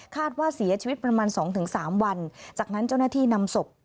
ว่าเสียชีวิตประมาณ๒๓วันจากนั้นเจ้าหน้าที่นำศพ